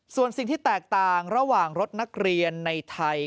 ส่วนสิ่งที่แตกต่างระหว่างรถนักเรียนในไทย